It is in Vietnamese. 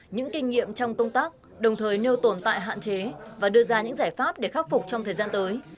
những kinh nghiệm trong công tác đồng thời nêu tồn tại hạn chế và đưa ra những giải pháp để khắc phục trong thời gian tới